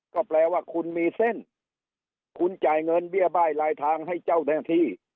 ก็แปลว่าคุณมีเส้นคุณจ่ายเงินเบี้ยบ้ายลายทางให้เจ้าหน้าที่